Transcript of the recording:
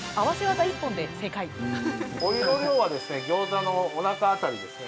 お湯の量はですねギョーザのおなか辺りですね。